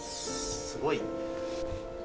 すごい。